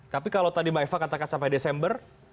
tapi kalau tadi mbak eva katakan sampai desember